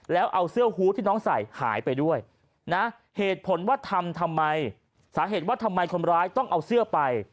แล้วเอาเสื้อฮูตที่น้องใส่หายไปด้วยนะเหตุผลว่าทำทำไมสาเหตุว่าทำไมคนร้ายต้องเอาเสื้อไป